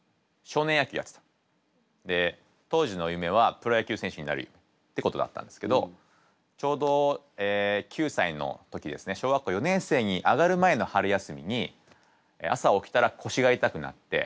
で当時の夢はプロ野球選手になるってことだったんですけどちょうど９歳の時ですね小学校４年生に上がる前の春休みに朝起きたら腰が痛くなって。